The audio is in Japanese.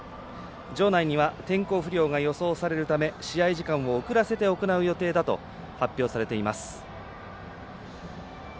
場内には天候不良が予想されるため試合時間を遅らせて行う予定だと発表されています。